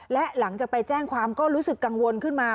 และหลังจากไปแจ้งความก็รู้สึกกังวลขึ้นมา